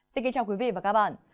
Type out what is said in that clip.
xin kính chào quý vị và các bạn